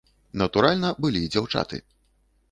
Натуральна, былі і дзяўчаты.